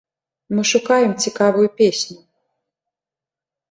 Мы шукаем цікавую песню.